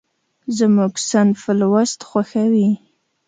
زموږ صنف لوست خوښوي.